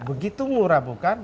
begitu murah bukan